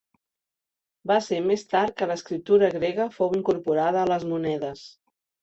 Va ser més tard que l'escriptura grega fou incorporada a les monedes.